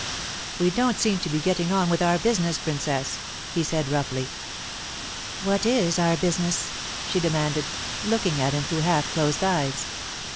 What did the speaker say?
"We don't seem to be getting on with our business, Princess," he said roughly. "What is our business?" she demanded, looking at him through half closed eyes.